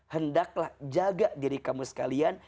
hendaklah jaga diri kamu sekalian